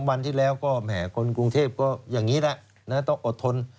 วันที่แล้วก็แหมคนกรุงเทพก็อย่างนี้แหละต้องอดทน